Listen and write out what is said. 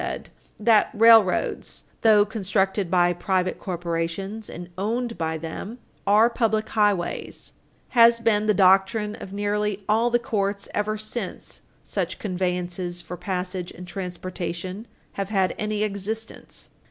694, said: "That railroads, though constructed by private corporations and owned by them, are public highways has been the doctrine of nearly all the courts ever since such conveniences for passage and transportation have had any existence.